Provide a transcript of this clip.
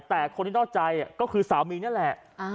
แต่คนที่นอกใจก็คือสามีนี่แหละ